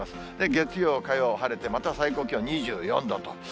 月曜、火曜、晴れて、また最高気温２４度と。